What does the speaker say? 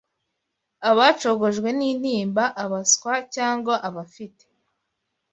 abacogojwe n’intimba, abaswa cyangwa abafite